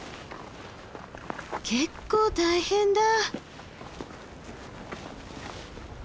結構大変だ。